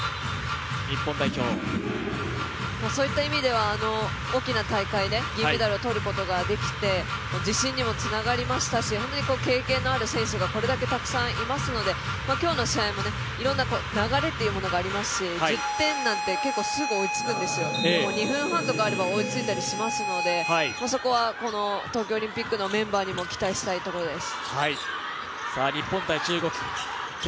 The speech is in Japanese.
そういった意味では大きな大会で銀メダルを取ることができて自信にもつながりましたし、経験のある選手がこれだけたくさんいますので今日の試合もいろんな流れというものがありますし１０点なんて、結構すぐ追いつくんですよ、２分半とかあれば追いついたりしますので、そこはこの東京オリンピックのメンバーにも期待したいところです。